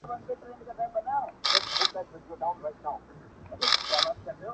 زه مرکز د دایرې یم زه هم کُل یم هم ا جزا یم -